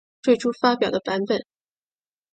最初发表的版本。